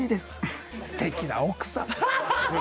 すてきな奥さん。